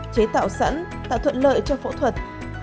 chế tạo sẵn tạo thuận lợi cho phẫu thuật